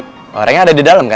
ntar ya gue temuin ya